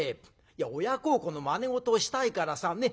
いや親孝行のまね事をしたいからさね？